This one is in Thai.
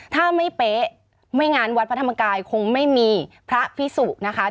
ถ้าไม่เป๊ะไม่งานวัดพระธรรมกายคงไม่มีพระพิสุนะคะ